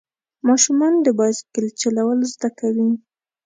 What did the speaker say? ماشومان د بایسکل چلول زده کوي.